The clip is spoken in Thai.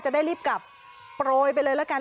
จะได้รีบกลับโปรยไปเลยละกัน